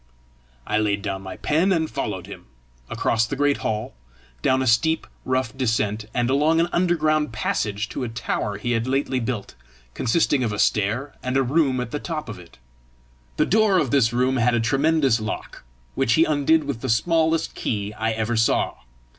I laid down my pen and followed him across the great hall, down a steep rough descent, and along an underground passage to a tower he had lately built, consisting of a stair and a room at the top of it. The door of this room had a tremendous lock, which he undid with the smallest key I ever saw.